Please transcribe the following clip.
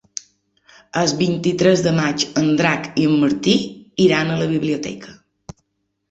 El vint-i-tres de maig en Drac i en Martí iran a la biblioteca.